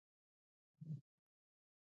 هر یو خپله ګټه لري.